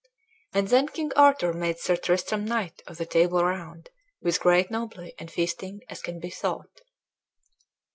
And then King Arthur made Sir Tristram knight of the Table Round with great nobley and feasting as can be thought.